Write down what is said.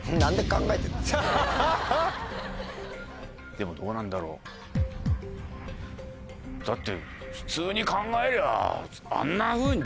でもどうなんだろう。だって。